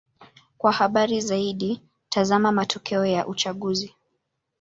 Kwa habari zaidi: tazama matokeo ya uchaguzi.